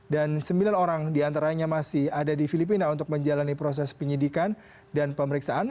dan sembilan orang diantaranya masih ada di filipina untuk menjalani proses penyidikan dan pemeriksaan